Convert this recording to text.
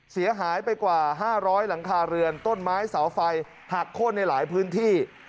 เสียหายไปกว่า๕๐๐หลังคาเรือนต้นไม้เสาไฟหักโค้นในหลายพื้นที่